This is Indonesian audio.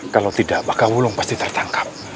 kalau tidak maka wulung pasti tertangkap